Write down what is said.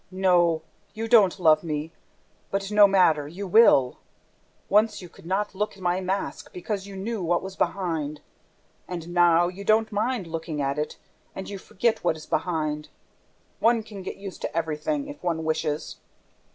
... No, you don't love me ... but no matter, you will! ... Once, you could not look at my mask because you knew what was behind... And now you don't mind looking at it and you forget what is behind! ... One can get used to everything ... if one wishes...